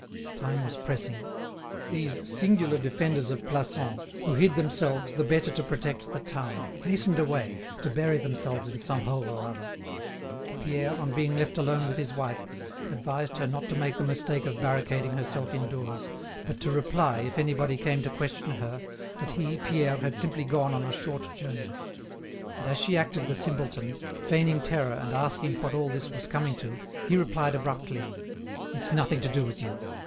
Time was pressing. These singular defenders of Plassans, who hid themselves the better to protect the town, hastened away, to bury themselves in some hole or other. Pierre, on being left alone with his wife, advised her not to make the mistake of barricading herself indoors, but to reply, if anybody came to question her, that he, Pierre, had simply gone on a short journey. And as she acted the simpleton, feigning terror and asking what all this was coming to, he replied abruptly: "It's nothing to do with you.